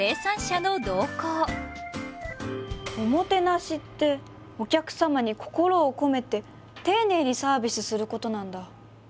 おもてなしってお客様に心を込めて丁寧にサービスすることなんだ。